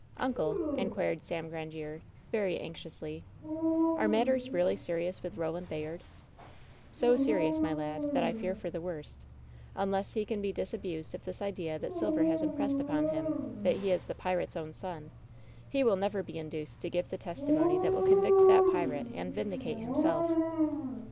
"Uncle," inquired Sam Grandiere, very anxiously, "are matters really serious with Eoland Bayard ?" "So serious, my lad, that I fear for the worst. Un less he can be disabused of this idea that Silver has im * pressed upon him — ^that he is the pirate's own son — ^he will never be induced to give the testimony that will convict that pirate and vindicate himself."